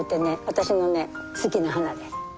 私の好きな花です。